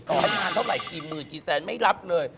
พนักงานเท่าไรกี่หมื่นรั้วไม่รับเลย